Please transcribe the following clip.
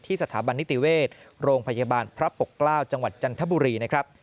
สถาบันนิติเวชโรงพยาบาลพระปกเกล้าจังหวัดจันทบุรีนะครับ